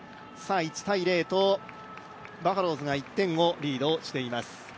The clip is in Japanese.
１−０とバファローズが１点をリードしています。